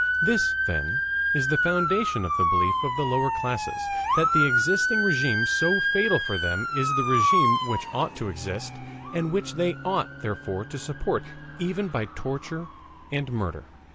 This, then, is the foundation of the belief of the lower classes that the existing RÉGIME so fatal for them is the RÉGIME which ought to exist, and which they ought therefore to support even by torture and murder.